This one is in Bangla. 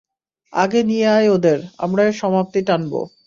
আগে নিয়ে আয় ওদের, আমরা এর সমাপ্তি টানবো।